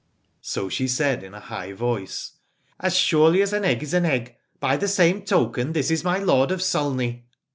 So she said in a high voice : As surely as an egg is an egg, by the same token this is my lord of Sulney.